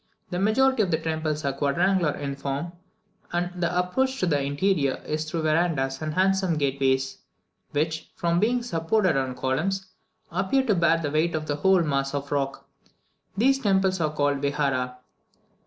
The majority of the temples are quadrangular in form, and the approach to the interior is through verandahs and handsome gateways, which, from being supported on columns, appear to bear the weight of the whole mass of rock. These temples are called "Vihara."